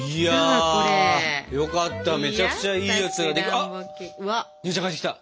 あ姉ちゃん帰ってきた！